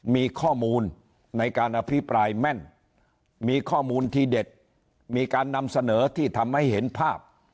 มีข้อมูลในการอภิปรายแม่นมีข้อมูลที่เด็ดมีการนำเสนอที่ทำให้เห็นภาพ